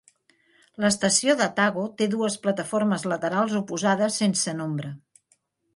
L'estació d'Atago té dues plataformes laterals oposades sense nombre.